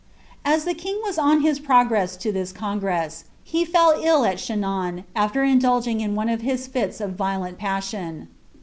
Ab the king was on his progress to thi« con^ss, he fell ill at Ctucua, after indulging in one of his fits of violent passion.'